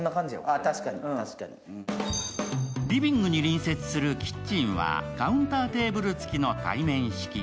リビングに隣接するキッチンはカウンターテーブル付きの対面式。